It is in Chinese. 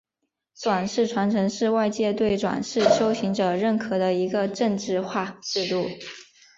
转世传承是外界对转世修行者认可的一个政治化制度。